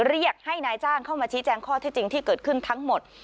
เรียกให้นายจ้างเข้ามาชี้แจงข้อที่จริงที่เกิดขึ้นทั้งหมด